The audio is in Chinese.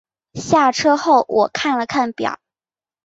下车后我看了看表